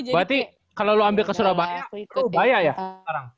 berarti kalau lu ambil ke surabaya itu bahaya ya sekarang